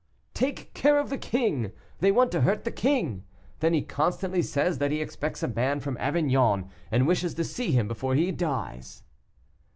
"Take care of the king! they want to hurt the king! Then he constantly says that he expects a man from Avignon, and wishes to see him before he dies."